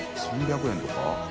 ３００円とか？